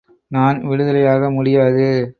நான் விடுதலையாக முடியாது.